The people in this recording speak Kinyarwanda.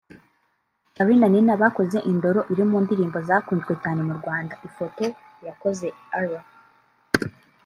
Charly na Nina bakoze Indoro iri mu ndirimbo zakunzwe cyane mu Rwanda (Ifoto/Irakoze R